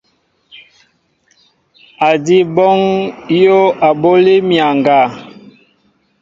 Adi hɔŋɓɔɔŋ ayōō aɓoli myaŋga.